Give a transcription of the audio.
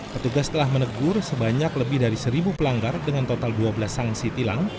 petugas telah menegur sebanyak lebih dari seribu pelanggar dengan total dua belas sanksi tilang